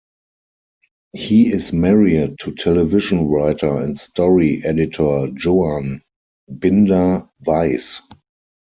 He is married to television writer and story editor Joan Binder Weiss.